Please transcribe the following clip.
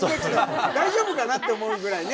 大丈夫かなって思うぐらいね。